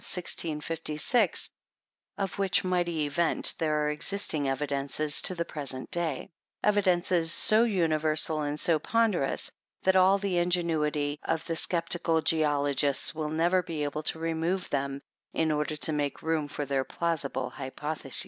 1656, of which mighty event there are existing evidences to the present day ; evidences, so universal and so ponderous, that all the ingenuity of the sceptical geologists will never be able to remove them in order to make room for their plausible hypotheses.